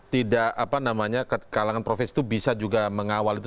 tidak apa namanya kalangan profesi itu bisa juga mengawal itu